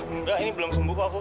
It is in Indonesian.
enggak ini belum sembuh kok